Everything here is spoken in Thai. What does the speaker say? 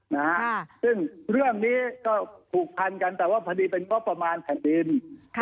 นะฮะซึ่งเรื่องนี้ก็ผูกพันกันแต่ว่าพอดีเป็นงบประมาณแผ่นดินค่ะ